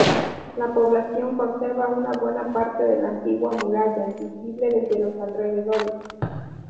La población conserva una buena parte de la antigua muralla, visible desde los alrededores.